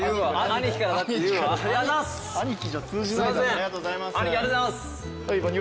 アニキありがとうございます。